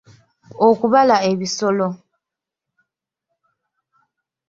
Okubala ebisolo.